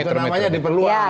itu namanya diperluas